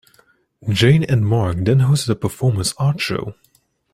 Jane and Mark then hosted a performance art show.